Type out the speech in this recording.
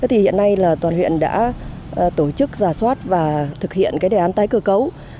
hiện nay toàn huyện đã tổ chức giả soát và thực hiện đề án tái cơ cấu